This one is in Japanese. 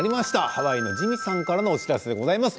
ハワイのＪｉｍｉさんからのお知らせです。